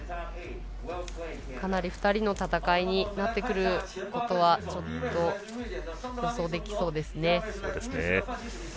かなり２人の戦いになってくることはちょっと、予想できそうですね。